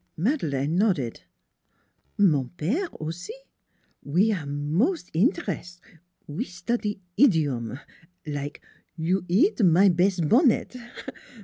" Madeleine nodded. " Mon pere, aussi. We are mos' interes'. We study idiome like ' you eat my bes' bonnet.'